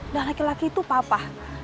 dan laki laki itu papa